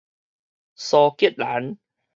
蘇格蘭